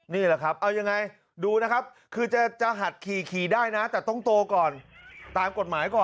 นี่แหละครับเอายังไงดูนะครับคือจะหัดขี่ได้นะแต่ต้องโตก่อนตามกฎหมายก่อน